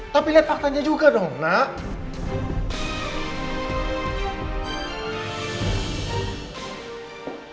tapi nyatakan aku gak paham perasaan kamu ya